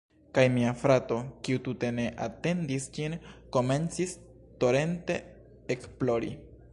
Kaj mia frato, kiu tute ne atendis ĝin, komencis torente ekplori.